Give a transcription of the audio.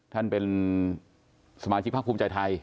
ท่านเป็นสมาชิกพักภูมิใจไทย